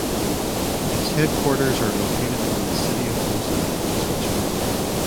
Its headquarters are located in the city of Lausanne in Switzerland.